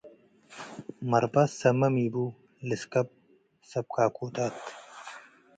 መርባት ሰሜ ሚቡ ልስከብ ሰብ ካኮታት